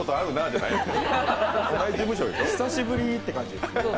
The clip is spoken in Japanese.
久しぶりって感じです。